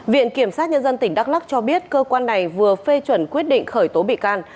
viện kiểm sát nhân dân tỉnh đắk lắc cho biết cơ quan này vừa phê chuẩn quyết định khởi tố bị can